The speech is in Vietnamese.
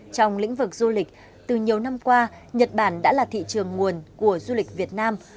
trong lĩnh vực du lịch từ nhiều năm qua nhật bản đã là thị trường nguồn của du lịch việt nam